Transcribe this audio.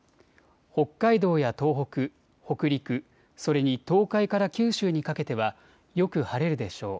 北海道や東北、北陸、それに東海から九州にかけてはよく晴れるでしょう。